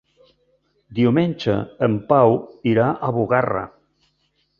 Diumenge en Pau irà a Bugarra.